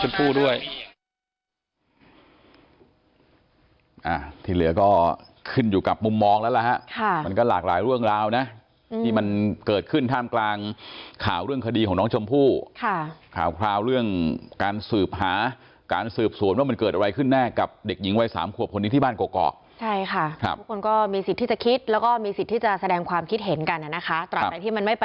ที่เหลือก็ขึ้นอยู่กับมุมมองแล้วล่ะฮะค่ะมันก็หลากหลายเรื่องราวนะที่มันเกิดขึ้นท่ามกลางข่าวเรื่องคดีของน้องชมพู่ค่ะข่าวคราวเรื่องการสืบหาการสืบสวนว่ามันเกิดอะไรขึ้นแน่กับเด็กหญิงวัยสามขวบคนนี้ที่บ้านเกาะใช่ค่ะครับทุกคนก็มีสิทธิ์ที่จะคิดแล้วก็มีสิทธิ์ที่จะแสดงความคิดเห็นกันนะคะ